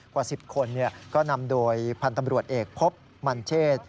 กว่า๑๐คนเนี่ยก็นำโดยพันธมรวดเอกพบมันเชศ